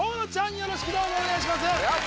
よろしくお願いします